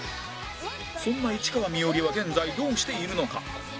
そんな市川美織は現在どうしているのか？